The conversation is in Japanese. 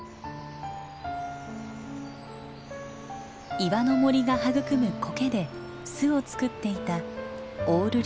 岩の森が育むコケで巣を作っていたオオルリのメス。